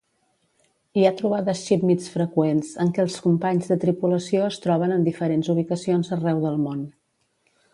Hi ha trobades "Shipmeets" freqüents en què els companys de tripulació es troben en diferents ubicacions arreu del món.